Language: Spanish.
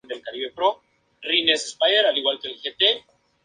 El "Challenger of Record" fue el Real Escuadrón de Yates de Sídney.